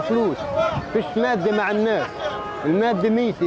tapi ada yang tidak bisa dibeli